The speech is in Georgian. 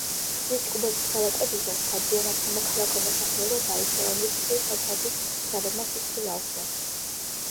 გზის ჯგუფებით გადაკვეთისას, ჰაჯიევმა სამოქალაქო მოსახლეობა დაიცვა, რომლის მხრივ სომხეთის ჯარებმა ცეცხლი გაუხსნეს.